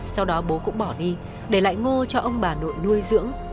ngô cũng bỏ đi để lại ngô cho ông bà nội nuôi dưỡng